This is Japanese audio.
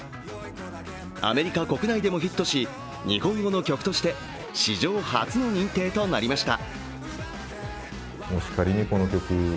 アメリカ国内でもヒットし日本語の曲として史上初の認定となりました。